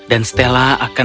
dan stella akan memintal benang